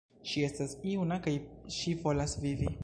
Ŝi estas juna kaj ŝi volas vivi!